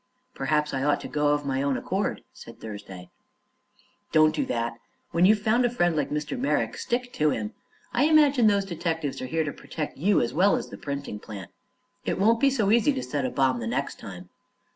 "Perhaps I ought to go of my own accord," said Thursday. "Don't do that. When you've found a friend like Mr. Merrick, stick to him. I imagine those detectives are here to protect you, as well as the printing plant. It won't be so easy to set a bomb the next time."